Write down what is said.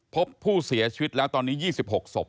พบผู้เสียชีวิตแล้วตอนนี้๒๖ศพ